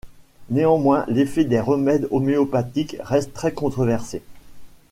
Néanmoins, l'effet des remèdes homéopathiques reste très controversé.